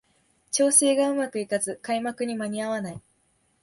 調整がうまくいかず開幕に間に合わない